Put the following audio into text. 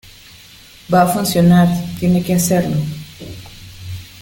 va a funcionar. tiene que hacerlo .